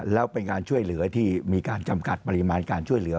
แล้วเป็นการช่วยเหลือที่มีการจำกัดปริมาณการช่วยเหลือ